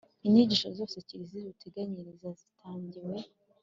inyigisho zose kiliziya iduteganyiriza zitangiwe